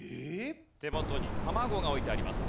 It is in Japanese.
手元に卵が置いてあります。